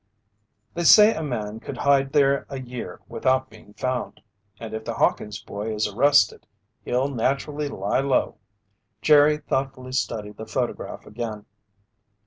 "They say a man could hide there a year without being found. And if the Hawkins' boy is arrested, he'll naturally lie low." Jerry thoughtfully studied the photograph again.